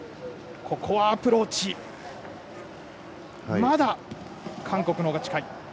このアプローチまだ韓国のほうが近い。